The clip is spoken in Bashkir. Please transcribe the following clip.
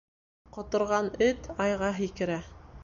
Ҡоторған эт айға һикерә.